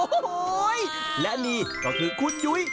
โอ้โหและนี่ก็คือคุณยุ้ย